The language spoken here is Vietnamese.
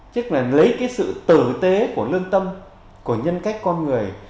chức là lấy cái sự tử tế của lương tâm của nhân cách con người